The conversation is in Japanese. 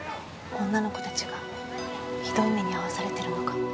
女の子達がひどい目に遭わされてるのが